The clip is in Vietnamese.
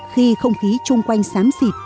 khi không khí chung quanh sám xịt